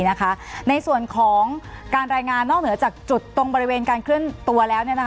ในส่วนของการรายงานนอกเหนือจากจุดตรงบริเวณการเคลื่อนตัวแล้ว